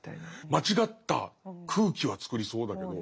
間違った空気は作りそうだけど。